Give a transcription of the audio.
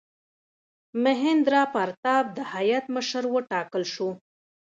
میهندراپراتاپ د هیات مشر وټاکل شو.